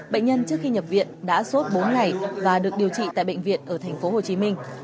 bệnh nhân trước khi nhập viện đã sốt bốn ngày và được điều trị tại bệnh viện ở thành phố hồ chí minh